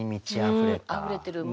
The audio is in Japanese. うんあふれてる。